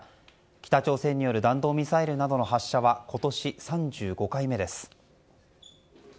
北朝鮮による弾道ミサイルなどの発射は今年３５回目です。